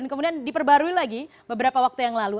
kemudian diperbarui lagi beberapa waktu yang lalu